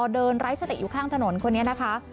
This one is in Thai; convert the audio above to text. ไร้สติอยู่ข้างถนนคนนี้นะคะ